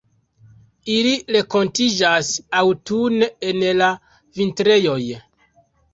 Ili renkontiĝas aŭtune en la vintrejoj.